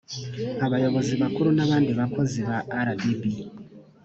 abayobozi bakuru n abandi bakozi ba rdb